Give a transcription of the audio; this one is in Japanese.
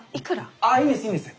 あっいいんですいいんです。